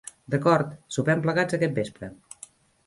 D'acord, sopem plegats aquest vespre.